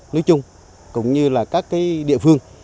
nói chung cũng như là các địa phương